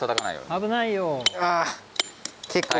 危ないな。